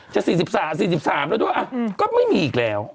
๔๓แล้วด้วยก็ไม่มีอีกแล้ว